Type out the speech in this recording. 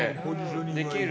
できる？